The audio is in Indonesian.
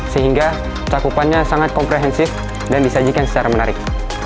sehingga cakupannya sangat komprehensif dan disajikan secara menarik